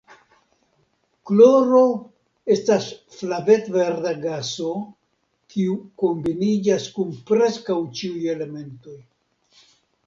Kloro estas flavet-verda gaso kiu kombiniĝas kun preskaŭ ĉiuj elementoj.